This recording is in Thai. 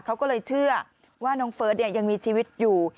เขาก็เลยเชื่อว่าน้องเฟิร์สยังมีชีวิตอยู่